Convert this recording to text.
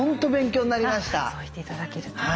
そう言って頂けると。